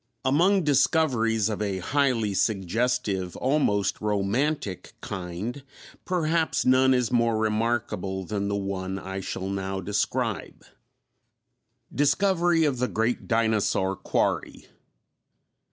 Among discoveries of a highly suggestive, almost romantic kind, perhaps none is more remarkable than the one I shall now describe. _Discovery of the Great Dinosaur Quarry.